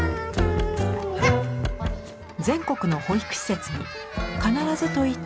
全国の保育施設に必ずと言っていいほどあります。